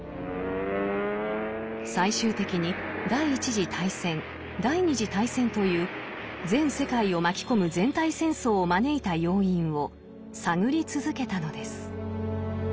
最終的に第一次大戦第二次大戦という全世界を巻き込む全体戦争を招いた要因を探り続けたのです。